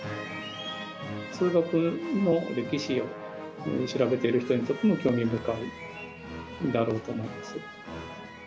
数学の歴史を調べている人にとっても興味深いだろうと思います。